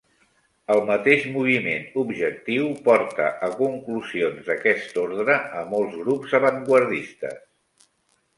El mateix moviment objectiu porta a conclusions d'aquest ordre a molts grups avantguardistes.